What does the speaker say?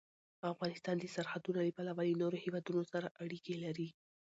افغانستان د سرحدونه له پلوه له نورو هېوادونو سره اړیکې لري.